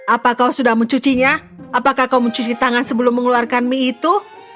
apa kau sudah mencucinya apakah kau mencuci tangan sebelum mengeluarkan mie itu